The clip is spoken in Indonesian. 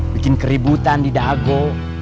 bikin keributan didago